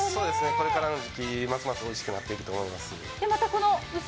これからの時期、ますますおいしくなってくると思います。